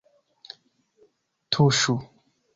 Tuŝu!